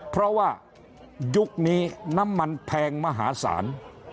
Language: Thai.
เพราะว่ายุคนี้น้ำมันแพงมหาศาล